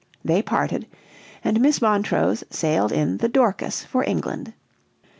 They parted, and Miss Montrose sailed in the Dorcas for England.